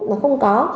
nó không có